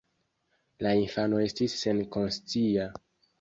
La infano estis senkonscia.